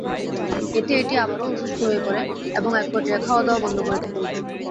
এতে এটি আবারও অসুস্থ হয়ে পড়ে এবং একপর্যায়ে খাওয়াদাওয়া বন্ধ করে দেয়।